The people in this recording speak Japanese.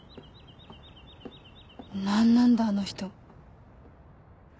何なんだあの人。